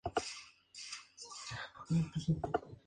Nació en la ciudad de Nueva York, hijo de emigrados lituanos.